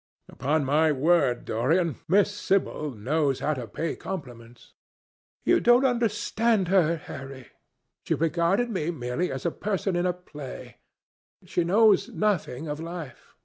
'" "Upon my word, Dorian, Miss Sibyl knows how to pay compliments." "You don't understand her, Harry. She regarded me merely as a person in a play. She knows nothing of life.